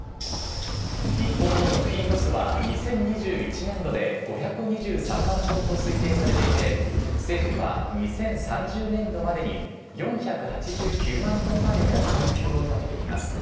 日本の食品ロスは２０２１年度で５２３万トンと推定されていて、政府は２０３０年度までに４８９万トンまで減らす目標を立てています。